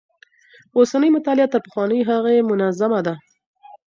اوسنۍ مطالعه تر پخوانۍ هغې منظمه ده.